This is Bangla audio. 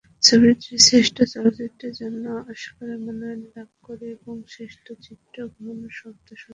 ছবিটি শ্রেষ্ঠ চলচ্চিত্রের জন্য অস্কারের মনোনয়ন লাভ করে এবং শ্রেষ্ঠ চিত্রগ্রহণ ও শব্দ সম্পাদনা বিভাগে দুটি পুরস্কার লাভ করে।